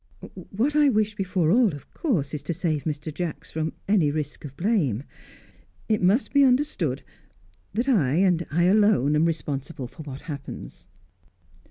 "What I wish before all, of course, is to save Mr. Jacks from any risk of blame. It must be understood that I, and I alone, am responsible for what happens."